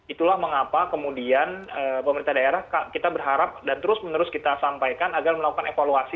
itulah mengapa kemudian pemerintah daerah kita berharap dan terus menerus kita sampaikan agar melakukan evaluasi